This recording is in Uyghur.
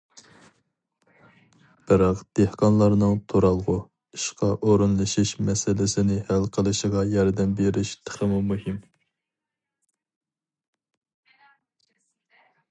بىراق دېھقانلارنىڭ تۇرالغۇ، ئىشقا ئورۇنلىشىش مەسىلىسىنى ھەل قىلىشىغا ياردەم بېرىش تېخىمۇ مۇھىم.